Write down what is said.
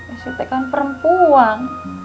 esi kan perempuan